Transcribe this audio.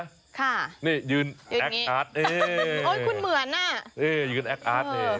ค่ะนี่ยืนแอคอาร์ตเองโอ้ยคุณเหมือนอ่ะนี่ยืนแอคอาร์ตเลย